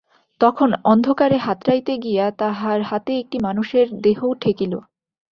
তখন অন্ধকারে হাতড়াইতে গিয়া তাহার হাতে একটি মানুষের দেহ ঠেকিল।